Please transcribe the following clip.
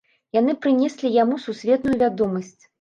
Яны прынеслі яму сусветную вядомасць.